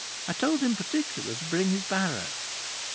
I told him particular to bring his barrow."